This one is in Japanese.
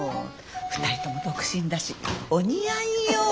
２人とも独身だしお似合いよぉ。